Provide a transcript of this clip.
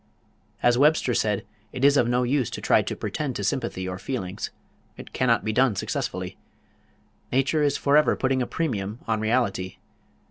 As Webster said, it is of no use to try to pretend to sympathy or feelings. It cannot be done successfully. "Nature is forever putting a premium on reality."